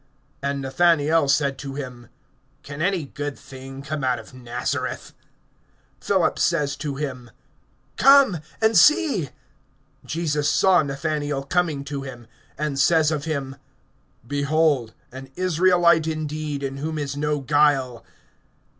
(46)And Nathanael said to him: Can any good thing come out of Nazareth? Philip says to him: Come and see. (47)Jesus saw Nathanael coming to him, and says of him: Behold an Israelite indeed, in whom is no guile!